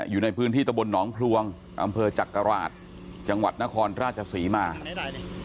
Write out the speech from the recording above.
อยู่ในพื้นที่ตะบลหนองพลวงอำเภอจักราชจังหวัดนครราชศรีมา